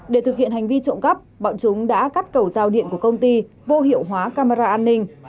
để thực hiện hành vi trộm cắp bọn chúng đã cắt cầu giao điện của công ty vô hiệu hóa camera an ninh